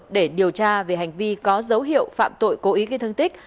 để điều tra về hành vi có dấu hiệu phạm tội cố ý gây thương tích